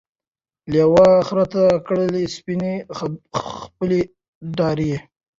لېوه خره ته کړلې سپیني خپلي داړي